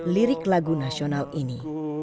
lirik lagu nasional ini